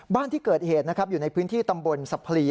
บ้านที่เกิดเหตุนะครับอยู่ในพื้นที่ตำบลสะพลี